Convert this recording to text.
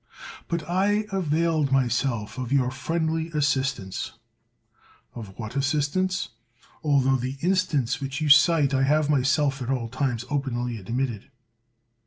But I availed myself of your friendly assist ance. Of what assistance? Altho the instance 171 THE WORLD'S FAMOUS ORATIONS which you cite I have myself at all times openly admitted.